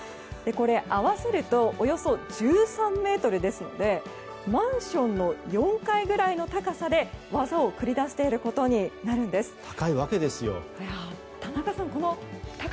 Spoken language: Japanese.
これ、合わせるとおよそ１３ｍですのでマンションの４階ぐらいの高さで技を繰り出していることになるんです。